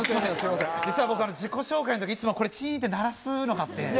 実は僕自己紹介の時いつもこれチンって鳴らすのがあって。